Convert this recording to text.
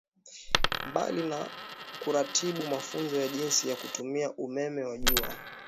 Mbali na kuratibu mafunzo ya jinsi ya kutumia umeme wa jua